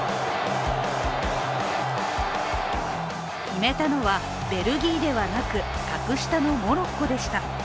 決めたのはベルギーではなく、格下のモロッコでした。